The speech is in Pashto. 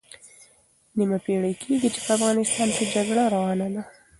نیمه پېړۍ کېږي چې په افغانستان کې جګړه روانه ده.